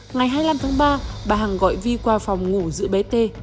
ngày hai mươi năm tháng ba bà hằng gọi vi qua phòng ngủ giữ bé t